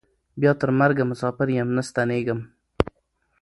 بیا تر مرګه مساپر یم نه ستنېږم